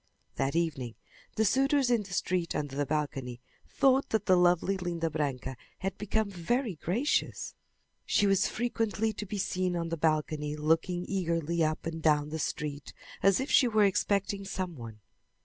That evening the suitors in the street under the balcony thought that the lovely Linda Branca had become very gracious. She was frequently to be seen on the balcony looking eagerly up and down the street as if she were expecting some one.